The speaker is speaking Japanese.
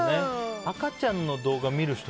赤ちゃんの動画見る人